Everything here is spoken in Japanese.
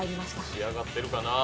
仕上がってるかな。